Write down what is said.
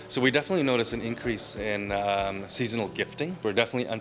jadi kita pasti melihat peningkatan peningkatan penjualan coklat